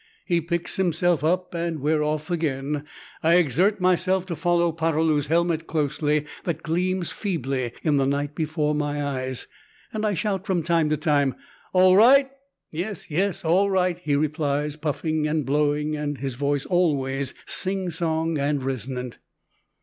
He picks himself up and we are off again. I exert myself to follow Poterloo's helmet closely that gleams feebly in the night before my eyes, and I shout from time to time, "All right?" "Yes, yes, all right," he replies, puffing and blowing, and his voice always singsong and resonant.